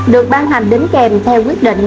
được ban hành đến kèm theo quyết định